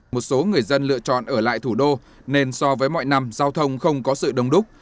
một số người dân lựa chọn ở lại thủ đô nên so với mọi năm giao thông không có sự đông đúc